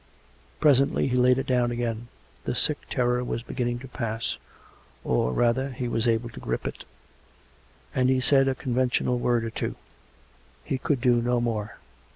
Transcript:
Presently he laid it down again. The sick terror was beginning to pass; or, rather, he was able to grip it; and he said a conventional word or two; he could do no more.